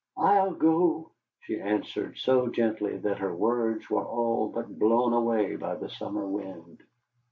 "I'll go," she answered, so gently that her words were all but blown away by the summer wind.